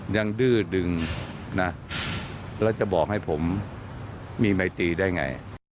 ดื้อดึงนะแล้วจะบอกให้ผมมีไมตีได้ไง